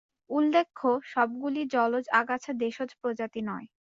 উল্লেখ্য, সবগুলি জলজ আগাছা দেশজ প্রজাতি নয়।